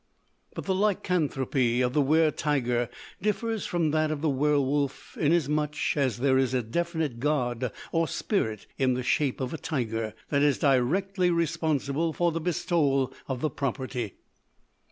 But the lycanthropy of the wer tiger differs from that of the werwolf inasmuch as there is a definite god or spirit, in the shape of a tiger, that is directly responsible for the bestowal of the property.